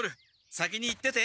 先に行ってて。